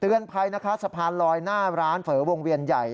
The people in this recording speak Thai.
ภัยนะคะสะพานลอยหน้าร้านเฝอวงเวียนใหญ่